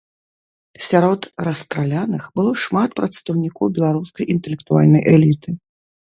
Сярод расстраляных было шмат прадстаўнікоў беларускай інтэлектуальнай эліты.